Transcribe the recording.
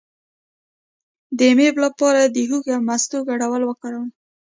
د امیب لپاره د هوږې او مستو ګډول وکاروئ